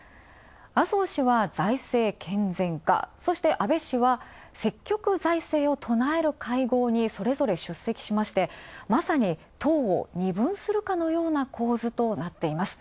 麻生氏は財政健全化、そして、安倍氏は、積極財政を唱える会合にそれぞれ出席しまして、まさに党を二分する構図となっています。